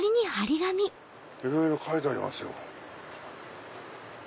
いろいろ書いてありますよ。